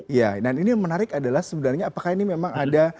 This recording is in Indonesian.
iya dan ini yang menarik adalah sebenarnya apakah ini memang ada